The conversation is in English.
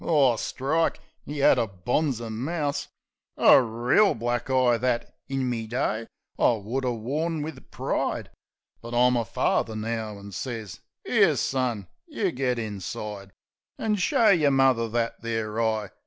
Oh, strike! 'E 'ad a bonzer mouse ! A reel black eye, that, in me day, I would 'a' worn wiv pride. But I'm a father now, an' sez, " 'Ere, son, you git inside An' show yer mother that there eye.